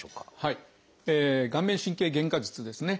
「顔面神経減荷術」ですね。